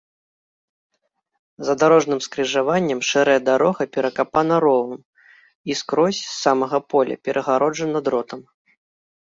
За дарожным скрыжаваннем шэрая дарога перакапана ровам і скрозь, з самага поля, перагароджана дротам.